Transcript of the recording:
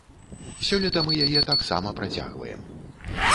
Сёлета мы яе таксама працягваем.